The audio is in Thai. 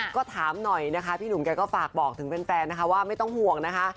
ก็ถามหน่อยนะคะพี่หนุ่มแกก็ฝากบอกถึงแฟนนะคะว่าไม่ต้องห่วงนะคะ